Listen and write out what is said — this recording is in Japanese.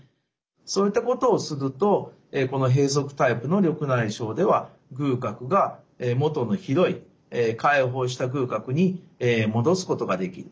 そういったことをするとこの閉塞タイプの緑内障では隅角が元の広い開放した隅角に戻すことができる。